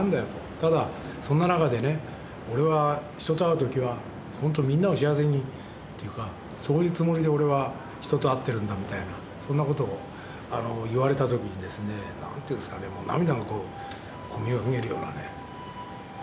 ただそんな中でね俺は人と会う時はみんなを幸せにというかそういうつもりで俺は人と会ってるんだみたいなそんなことを言われた時にですねなんていうんすかね涙がこう込み上げるようなね。